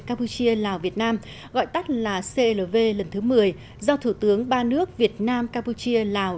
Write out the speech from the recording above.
campuchia lào việt nam gọi tắt là clv lần thứ một mươi do thủ tướng ba nước việt nam campuchia lào